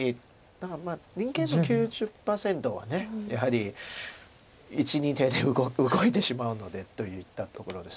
何か人間の９０％はやはり１２手で動いてしまうのでといったところです